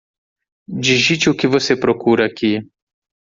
Digite o que você procura aqui.